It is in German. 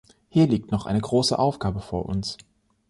Hier liegt noch eine große Aufgabe vor uns.